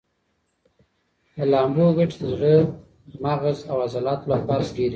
د لامبو ګټې د زړه، مغز او عضلاتو لپاره ډېرې دي.